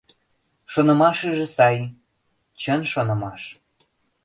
— Шонымашыже сай... чын шонымаш...